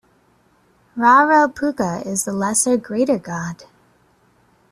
Raropuka is the lesser creator-god.